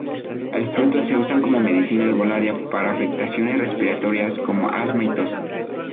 El fruto se usa como medicina herbolaria para afecciones respiratorias como asma y tos.